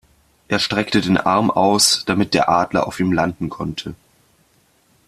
Er streckte den Arm aus, damit der Adler auf ihm landen konnte.